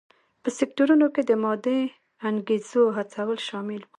په سکتورونو کې د مادي انګېزو هڅول شامل و.